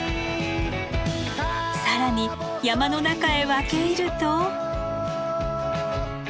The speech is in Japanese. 更に山の中へ分け入ると。